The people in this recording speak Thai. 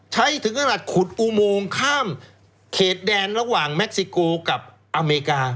ถึงขนาดขุดอุโมงข้ามเขตแดนระหว่างเม็กซิโกกับอเมริกา